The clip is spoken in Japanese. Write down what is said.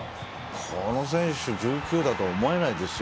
この選手１９だとは思えないですよ。